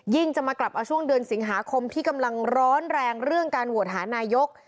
จะมากลับมาช่วงเดือนสิงหาคมที่กำลังร้อนแรงเรื่องการโหวตหานายก